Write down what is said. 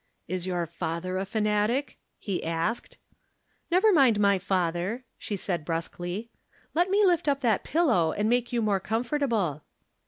" Is your father a fanatic ?" he asked. "Never mind my father," she said, brusquely. " Let me lift up that pillow and make you more comfortable."